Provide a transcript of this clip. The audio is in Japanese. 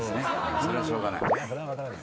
そりゃしょうがない。